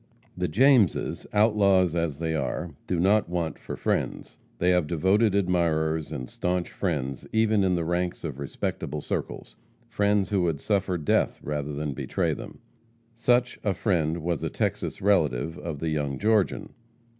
The Jameses, outlaws as they are, do not want for friends. They have devoted admirers and staunch friends even in the ranks of respectable circles persons who would suffer death rather than betray them. Such a friend was a Texas relative of the young Georgian.